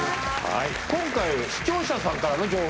２視聴者さんからの情報。